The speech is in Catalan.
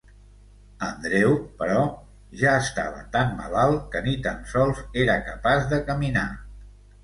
Andreu, però, ja estava tan malalt que ni tan sols era capaç de caminar.